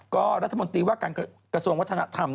ก็รัฐมนตรีว่าการกระทรวงวัฒนธรรม